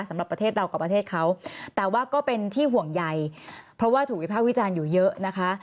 สำหรับประเทศเรากับประเทศเขาแต่ว่าก็เป็นที่ห่วงใยเพราะว่าถูกวิภาควิจารณ์อยู่เยอะนะคะ